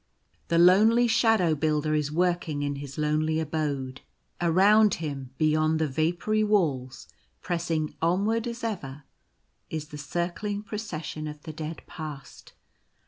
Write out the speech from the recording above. The lonely Shadow Builder is working in his lonely M 82 The Baby Shadow. abode ; around him, beyond the vapoury walls, pressing onward as ever, is the circling Procession of the Dead Past.